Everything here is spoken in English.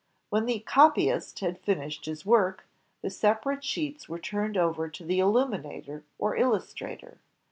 When the copyist had fijiished his work, the separate sheets were turned over to the illuminator or illustrator.